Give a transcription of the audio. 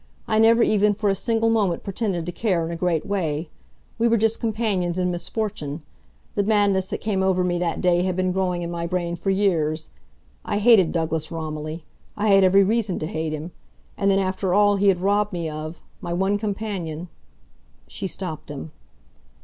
"I never even for a single moment pretended to care in a great way. We were just companions in misfortune. The madness that came over me that day had been growing in my brain for years. I hated Douglas Romilly. I had every reason to hate him. And then, after all he had robbed me of my one companion " She stopped him.